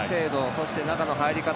そして中の入り方。